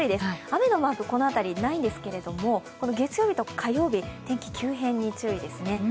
雨のマーク、この辺りないんですけれども、月曜日と火曜日、天気急変に注意ですね。